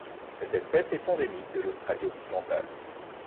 Cette espèce est endémique de l'Australie Occidentale.